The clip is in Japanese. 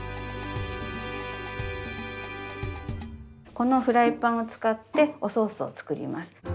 このフライパンを使っておソースを作ります。